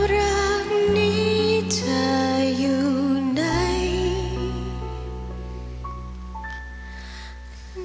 รักนี้เธออยู่ไหน